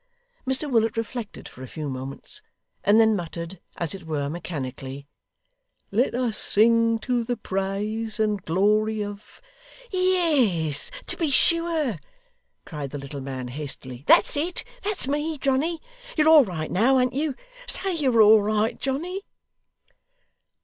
Mr Willet reflected for a few moments, and then muttered, as it were mechanically: 'Let us sing to the praise and glory of ' 'Yes, to be sure,' cried the little man, hastily; 'that's it that's me, Johnny. You're all right now, an't you? Say you're all right, Johnny.